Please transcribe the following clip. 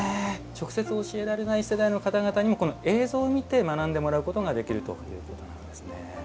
直接教えられない世代の方々にもこの映像を見て学んでもらうことができるということなんですね。